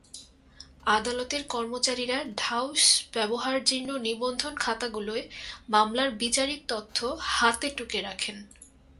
আদালতের কর্মচারীরা ঢাউস ব্যবহারজীর্ণ নিবন্ধন খাতাগুলোয় মামলার বিচারিক তথ্য হাতে টুকে রাখেন।